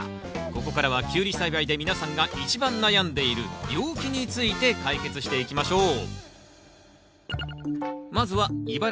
ここからはキュウリ栽培で皆さんが一番悩んでいる病気について解決していきましょう。